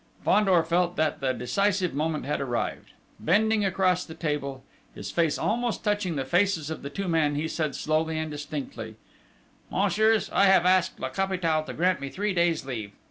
Fandor felt that the decisive moment had arrived. Bending across the table, his face almost touching the faces of the two men, he said slowly and distinctly: "Messieurs, I have asked La Capitale to grant me three days' leave.